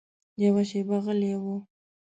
یوه شېبه غلی و.